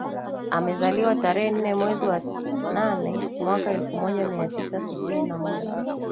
amezaliwa tarehe nne mwezi wa nane mwaka elfu moja mia tisa sitini na moja